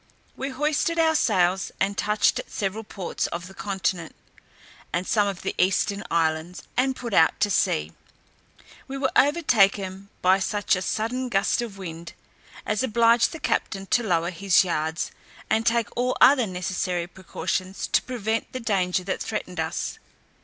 We hoisted our sails, and touched at several ports of the continent, and some of the eastern islands, and put out to sea: we were overtaken by such a sudden gust of wind, as obliged the captain to lower his yards, and take all other necessary precautions to prevent the danger that threatened us.